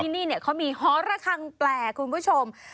ที่นี่เขามีฮอร์ระคังแปลคุณผู้ชม